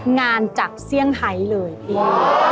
งานจากเสี้ยงไทยเลยพี่